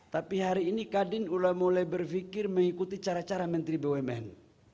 tapi hari ini kadin sudah mulai berpikir mengikuti cara cara menteri bumn